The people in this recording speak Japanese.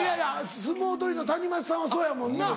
相撲取りのタニマチさんはそうやもんな。